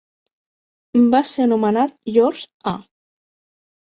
Va ser anomenat George A.